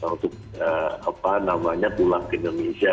untuk pulang ke indonesia